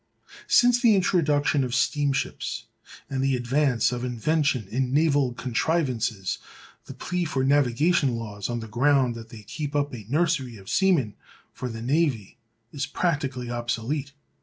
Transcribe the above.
Since the introduction of steamships and the advance of invention in naval contrivances, the plea for navigation laws on the ground that they keep up a "nursery of seamen" for the navy is practically obsolete.